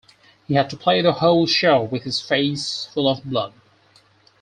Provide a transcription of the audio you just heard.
He had to play the whole show with his face full of blood.